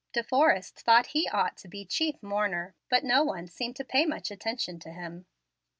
De Forrest thought he ought to be "chief mourner," but no one seemed to pay much attention to him.